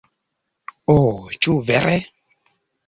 Oh ĉu vere?